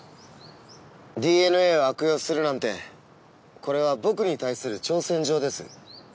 ＤＮＡを悪用するなんてこれは僕に対する挑戦状です。